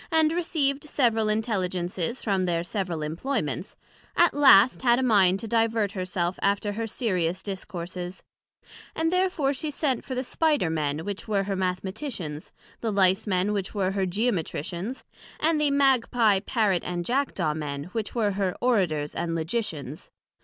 and received several Intelligences from their several imployments; at last had a mind to divert her self after her serious Discourses, and therefore she sent for the Spider men, which were her Mathematicians, the Lice men which were here Geometricians, and the Magpie Parrot and Jackdaw men, which were her Orators and Logicians.